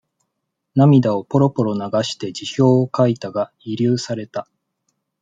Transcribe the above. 涙をポロポロ流して辞表を書いたが、慰留された。